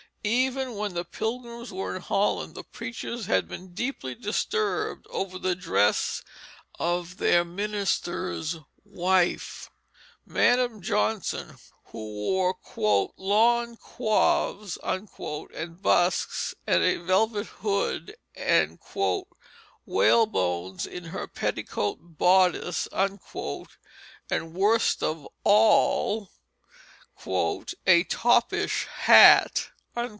Even when the Pilgrims were in Holland the preachers had been deeply disturbed over the dress of their minister's wife, Madam Johnson, who wore "lawn coives" and busks, and a velvet hood, and "whalebones in her petticoat bodice," and worst of all, "a topish hat."